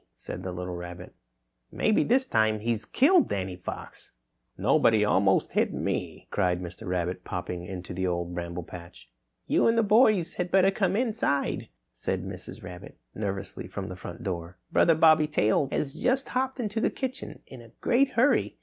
said the little rabbit, "maybe this time he's killed Danny Fox!" "No, but he almost hit me!" cried Mr. Rabbit, popping into the Old Bramble Patch. "You and the boys had better come inside," said Mrs. Rabbit nervously from the front door. "Brother Bobby Tail has just hopped into the kitchen in a great hurry.